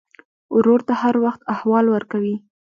ورور ته هر وخت احوال ورکوې.